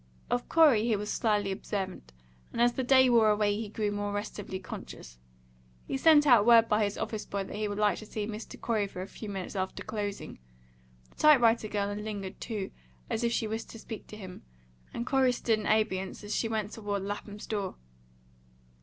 Of Corey he was slyly observant, and as the day wore away he grew more restively conscious. He sent out word by his office boy that he would like to see Mr. Corey for a few minutes after closing. The type writer girl had lingered too, as if she wished to speak with him, and Corey stood in abeyance as she went toward Lapham's door.